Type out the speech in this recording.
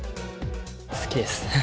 好きです。